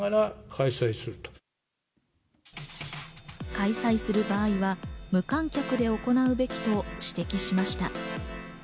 開催する場合は無観客で行うべきと指摘しました。